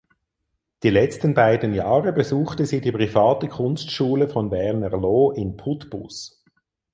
Die letzten beiden Jahre besuchte sie die private Kunstschule von Werner Laux in Putbus.